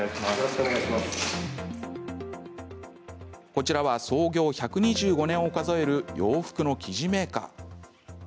こちらは創業１２５年を数える洋服の生地メーカー。